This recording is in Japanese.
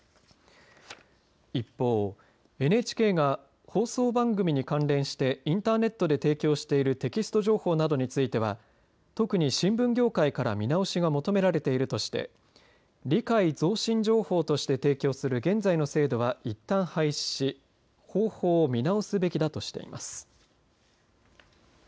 一方、ＮＨＫが放送番組に関連してインターネットで提供しているテキスト情報などについては特に新聞業界から見直しが求められているとして理解増進情報として提供する現在の制度はいったん廃止し方法を見直すべきだとしています。